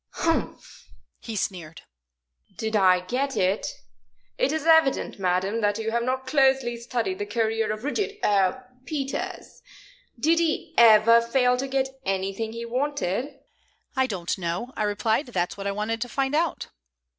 "Humph!" he sneered. "Did I get it? It is evident, madam, that you have not closely studied the career of Rudyard er Peters. Did he ever fail to get anything he wanted?" "I don't know," I replied. "That's what I wanted to find out."